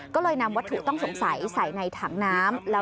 ก็เลยนำวัตถุต้องสงสัยใส่ในถังน้ำ